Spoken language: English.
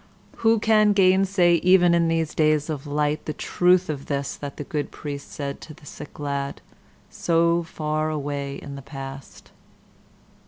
Who can gainsay, even in these days of light, the truth of this that the good priest said to the sick lad so far away in the past?